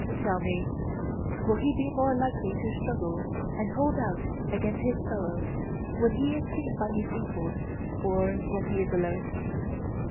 Tell me: will he be more likely to struggle and hold out against his sorrow when he is seen by his equals, or when he is alone?